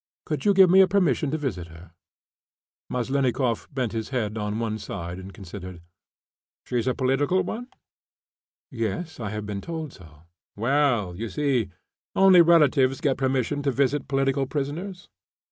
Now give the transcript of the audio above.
Could you give me a permission to visit her?" Meslennikoff bent his head on one side and considered. "She's a political one?" "Yes, I have been told so." "Well, you see, only relatives get permission to visit political prisoners.